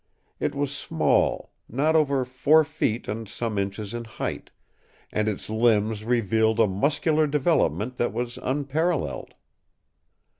It was small, not over four feet and some inches in height, and its limbs revealed a muscular development that was unparalleled.